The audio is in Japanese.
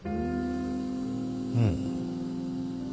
うん。